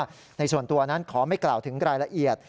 ในส่วนตัวนั้นขอไม่กล่าวถึงรายละเอียด